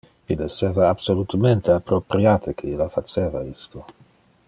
Il esseva absolutemente appropriate que illa faceva isto.